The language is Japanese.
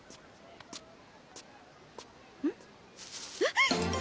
うん？えっ！